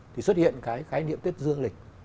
thì xuất hiện cái khái niệm tết dương lịch